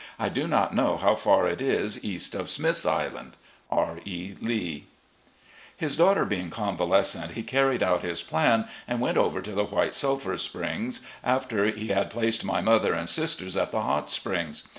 I do not know how far it is east of Smith's Island. R. E. Lee." 324 RECXDLLECTIONS OP GENERAL LEE His daughter being convalescent, he carried out his plan, and went over to the White Sulphur Springs, after he had placed my mother and sisters at the Hot Springs.